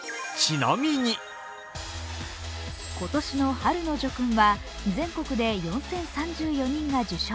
今年の春の叙勲は全国で４０３４人が受賞。